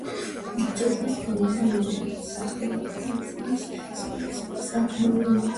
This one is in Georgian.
ჭურჭლის ფორმათა მრავალსახეობა მოწმობს სხვადასხვა სამეურნეო დარგის დაწინაურებას.